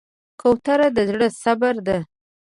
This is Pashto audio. کوتره د زړه صبر ده.